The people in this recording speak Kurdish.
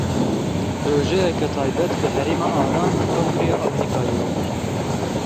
Projeyeke taybet bi Herêma Aram li Kongreya Amerîkayê ye.